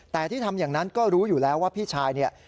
แต่ที่ทำอย่างนั้นก็รู้อยู่แล้วว่าพี่ชายเนี่ย